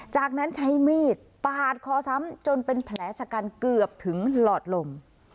จากนั้นใช้มีดปาดคอซ้ำจนเป็นแผลชะกันเกือบถึงหลอดลม